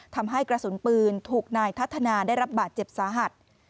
ทำให้กระสุนปืนถูกนายทัศนาได้รับบาดเจ็บสาหัส